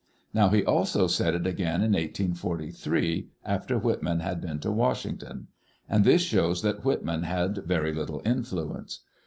Now he also said it again in 1843, after Whitman had been to Washington. And this shows that Whitman had very little influence.